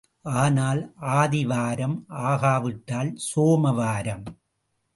ஆனால் ஆதி வாரம் ஆகாவிட்டால் சோம வாரம்.